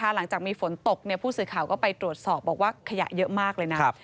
หลังจากมีฝนตกผู้สื่อข่าวก็ไปตรวจสอบบอกว่าขยะเยอะมากเลยนะ